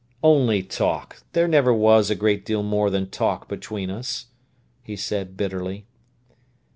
"Only talk. There never was a great deal more than talk between us," he said bitterly.